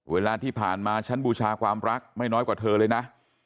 เวลาที่ผ่านมาฉันบูชาความรักไม่น้อยกว่าเธอเลยนะ